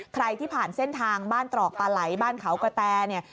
ใครที่ผ่านเส้นทางบ้านตรอบตาไหล้บ้านเขากระแตร